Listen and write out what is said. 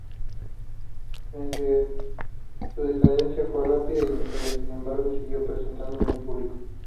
Su decadencia fue rápida y notoria sin embargo siguió presentándose en público.